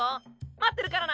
待ってるからな！